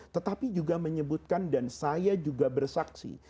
tetapi juga menyebutkan dan saya juga bersaksi